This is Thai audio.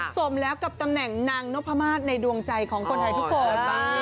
สมแล้วกับตำแหน่งนางนพมาศในดวงใจของคนไทยทุกคน